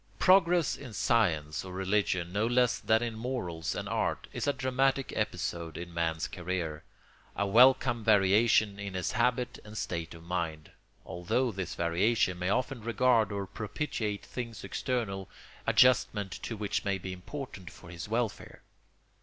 Progress in science or religion, no less than in morals and art, is a dramatic episode in man's career, a welcome variation in his habit and state of mind; although this variation may often regard or propitiate things external, adjustment to which may be important for his welfare.